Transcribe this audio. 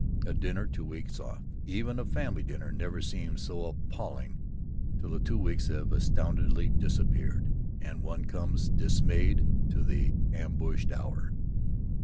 A dinner two weeks off, even a family dinner, never seems so appalling, till the two weeks have astoundingly disappeared and one comes dismayed to the ambushed hour.